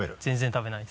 食べない？